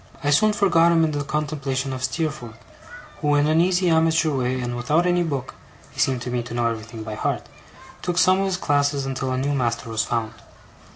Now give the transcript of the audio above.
I soon forgot him in the contemplation of Steerforth, who, in an easy amateur way, and without any book (he seemed to me to know everything by heart), took some of his classes until a new master was found.